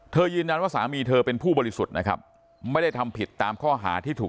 ยืนยันว่าสามีเธอเป็นผู้บริสุทธิ์นะครับไม่ได้ทำผิดตามข้อหาที่ถูก